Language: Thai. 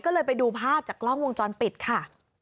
ก็เลยไปดูภาพจากกล้องวงจรปิดค่ะ